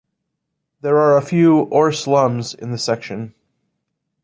There are a few ', or slums, in the section.